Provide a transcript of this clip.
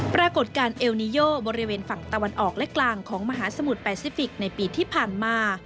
ปรากฏการณ์เอลนิโยบริเวณฝั่งตะวันออกและกลางของมหาสมุทรแปซิฟิกในปีที่ผ่านมา